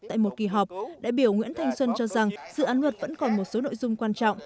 tại một kỳ họp đại biểu nguyễn thanh xuân cho rằng dự án luật vẫn còn một số nội dung quan trọng